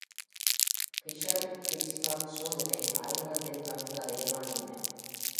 Fisher Pittsburgh சோதனை ஆய்வகத்தின் பங்கு அறையை வாங்கினார்.